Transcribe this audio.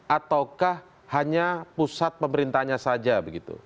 ataukah hanya pusat pemerintahnya saja begitu